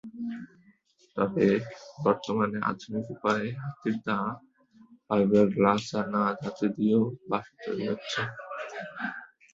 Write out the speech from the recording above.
তবে বর্তমানে আধুনিক উপায়ে হাতির দাঁত, ফাইবার গ্লাস আর নানা ধাতু দিয়েও বাঁশি তৈরি করা হচ্ছে।